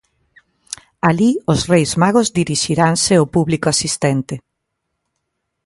Alí os Reis Magos dirixiranse ao público asistente.